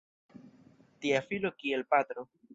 Tia filo kiel patro!